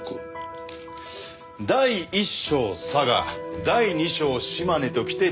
第１章佐賀第２章島根ときて第３章が茨城！